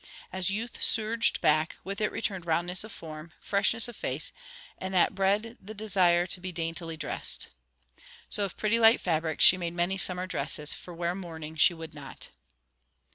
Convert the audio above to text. As youth surged back, with it returned roundness of form, freshness of face, and that bred the desire to be daintily dressed. So of pretty light fabrics she made many summer dresses, for wear mourning she would not.